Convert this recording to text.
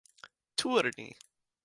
turni